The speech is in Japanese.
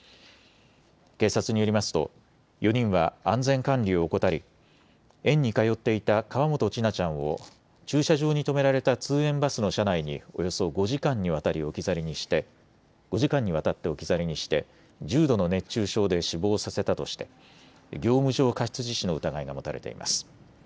警察によりますと４人は安全管理を怠り園に通っていた河本千奈ちゃんを駐車場に止められた通園バスの車内におよそ５時間にわたって置き去りにして重度の熱中症で死亡させたとして業務上過失致死の疑いが持たれています。